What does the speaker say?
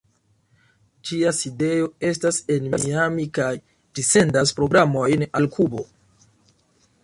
Ĝia sidejo estas en Miami kaj ĝi sendas programojn al Kubo.